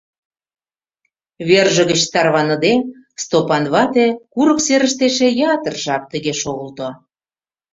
Верже гыч тарваныде, Стопан вате курык серыште эше ятыр жап тыге шогылто.